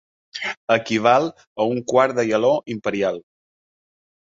Equival a un quart de galó imperial.